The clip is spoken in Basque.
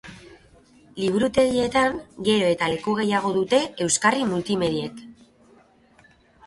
Liburutegietan gero eta leku gehiago dute euskarri multimediek.